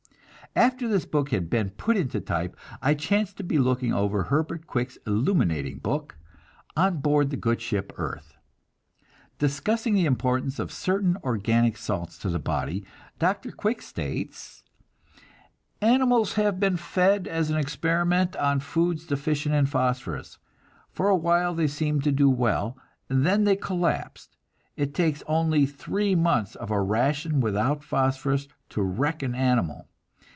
After this book had been put into type, I chanced to be looking over Herbert Quick's illuminating book, "On Board the Good Ship Earth." Discussing the importance of certain organic salts to the body, Dr. Quick states: "Animals have been fed, as an experiment, on foods deficient in phosphorus. For a while they seemed to do well. Then they collapsed. It takes only three months of a ration without phosphorus to wreck an animal.